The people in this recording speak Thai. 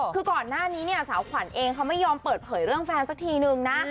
คือก่อนหน้านี้เนี่ยสาวขวัญเองเขาไม่ยอมเปิดเผยเรื่องแฟนสักทีนึงนะ